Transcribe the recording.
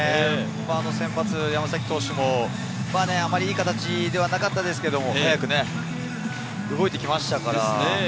先発・山崎投手もあまりいい形ではなかったんですけれど、早く動いてきましたから。